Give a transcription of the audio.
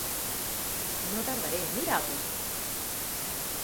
No tardaré. Mira'l!